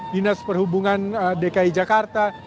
dinas perhubungan dki jakarta